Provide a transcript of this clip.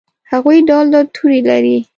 هغوي ډول ډول تورې لري